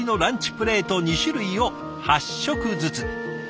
プレート２種類を８食ずつ。